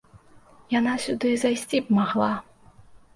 Яна сюды зайсці б магла.